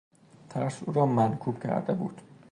ترس او را منکوب کرده بود.